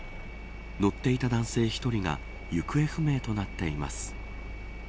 乗っていた男性１人が行方不明となっています。